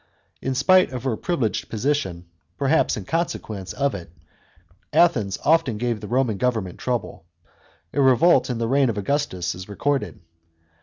In spite of her privileged position, perhaps in consequence of it, Athens often gave the Roman govern ment trouble ; a revolt in the reign of Augustus is recorded.